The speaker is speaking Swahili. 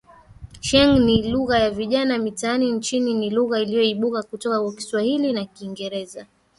Sheng' ni lugha ya vijana mitaani nchini ni lugha iliyoibuka kutoka kwa Kiswahili na Kiingereza.